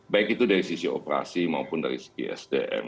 baik itu dari sisi operasi maupun dari segi sdm